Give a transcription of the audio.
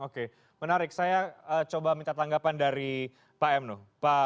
oke menarik saya coba minta tanggapan dari pak mnu